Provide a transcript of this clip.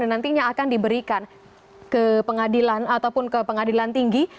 dan nantinya akan diberikan ke pengadilan atau ke pengadilan tinggi